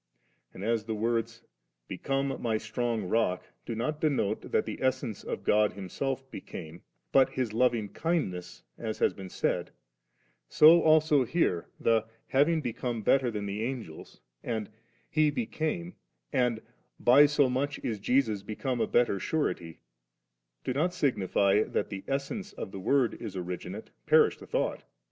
And as the words 'Become my strong rock ' do not denote that the essence of God Himself became, but His lovingkindness, as has been said, so also here the 'having be come better than the Angels,' and, 'He be came,' and, 'by so much is Jesus become a better surety,' do not signify that the es sence of the Word is originate (perish the thought